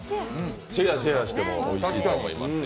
シェアしてもおいしいと思いますよ。